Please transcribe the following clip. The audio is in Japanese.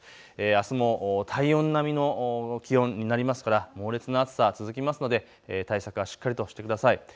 あすも体温並みの気温になりますから、猛烈な暑さ続くので対策はしっかりとしてください。